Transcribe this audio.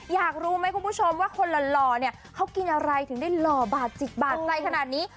อยากรู้ไหมคุณผู้ชมว่าคนหล่อเนี่ยเขากินอะไรถึงได้หล่อบาดจิตบาดใจขนาดนี้